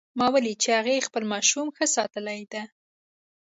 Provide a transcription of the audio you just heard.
ما ولیدل چې هغې خپل ماشوم ښه ساتلی ده